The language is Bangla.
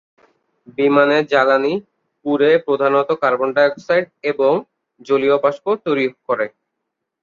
বিমানের জ্বালানী পুড়ে প্রধানত কার্বন ডাইঅক্সাইড এবং জলীয় বাষ্প তৈরি করে।